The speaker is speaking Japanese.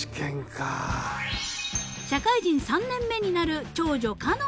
［社会人３年目になる長女海音ちゃん］